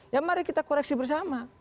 ya mari kita koreksi bersama